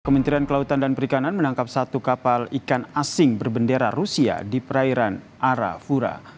kementerian kelautan dan perikanan menangkap satu kapal ikan asing berbendera rusia di perairan arafura